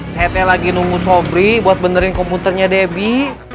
saya lagi nunggu sobri buat benerin komputernya debbie